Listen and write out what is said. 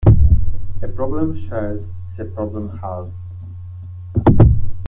A problem shared is a problem halved.